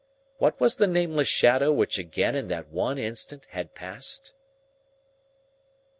What was the nameless shadow which again in that one instant had passed?